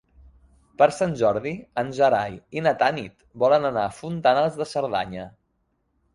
Per Sant Jordi en Gerai i na Tanit volen anar a Fontanals de Cerdanya.